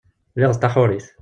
Lliɣ d taḥurit.